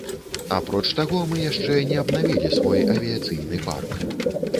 Апроч таго, мы яшчэ не абнавілі свой авіяцыйны парк.